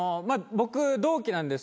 僕同期なんですけど。